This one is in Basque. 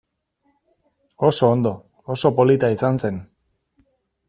Oso ondo, oso polita izan zen.